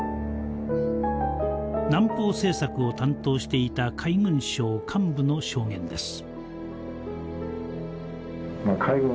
南方政策を担当していた海軍省幹部の証言です。